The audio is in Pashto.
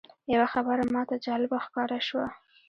یوه خبره ماته جالبه ښکاره شوه.